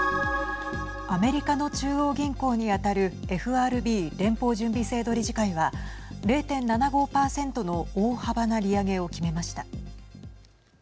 アメリカの中央銀行に当たるＦＲＢ＝連邦準備制度理事会は０．７５％の大幅な利上げを決めました。